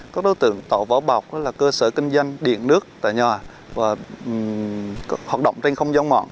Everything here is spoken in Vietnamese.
các đối tượng tạo vỏ bọc là cơ sở kinh doanh điện nước tại nhà và hoạt động trên không gian mạng